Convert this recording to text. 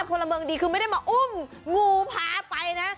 พลเมืองดีคือไม่ได้มาอุ้มงูพาไปนะ